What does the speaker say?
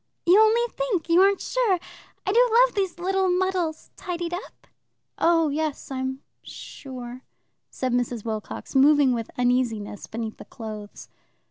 "You only think? You aren't sure? I do love these little muddles tidied up?" "Oh yes, I'm sure," said Mrs. Wilcox, moving with uneasiness beneath the clothes.